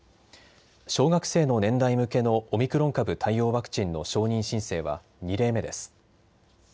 小学生の年代向けのオミクロン株対応ワクチンの承認申請は２例目です。